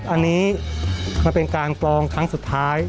อันนี้มันเป็นการปลอมครั้งสุดท้าย